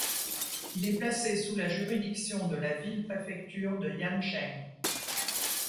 Il est placé sous la juridiction de la ville-préfecture de Yancheng.